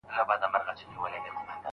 او را یاد مي د خپل زړه د میني اور کم